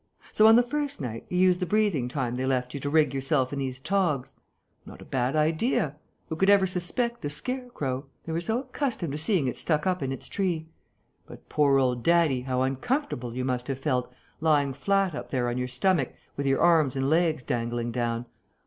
So, on the first night, you used the breathing time they left you to rig yourself in these togs! Not a bad idea. Who could ever suspect a scarecrow?... They were so accustomed to seeing it stuck up in its tree! But, poor old daddy, how uncomfortable you must have felt, lying flat up there on your stomach, with your arms and legs dangling down!